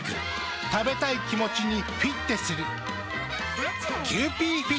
食べたい気持ちにフィッテする。